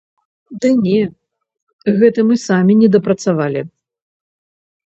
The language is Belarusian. Ды не, гэта мы самі недапрацавалі!